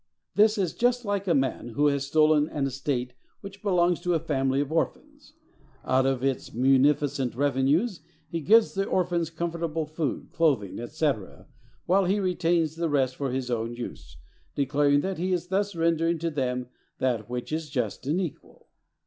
This is just like a man who has stolen an estate which belongs to a family of orphans. Out of its munificent revenues, he gives the orphans comfortable food, clothing, &c., while he retains the rest for his own use, declaring that he is thus rendering to them that which is just and equal.